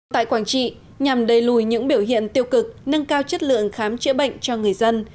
tại quảng trị nhằm đầy lùi những biểu hiện tiêu cực nâng cao chất lượng khám chữa bệnh cho người dân